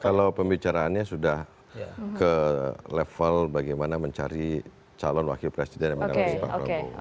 kalau pembicaraannya sudah ke level bagaimana mencari calon wakil presiden yang mendampingi pak prabowo